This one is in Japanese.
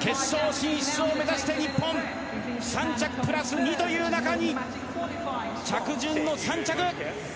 決勝進出を目指して日本、３着プラス２という中に着順の３着。